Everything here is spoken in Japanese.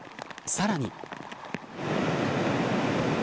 さらに。